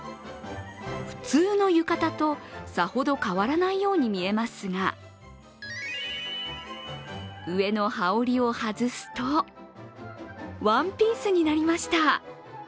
普通の浴衣とさほど変わらないように見えますが上の羽織を外すと、ワンピースになりました。